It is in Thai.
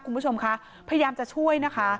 คุณผู้ชมคะพยายามจะช่วยนะคะ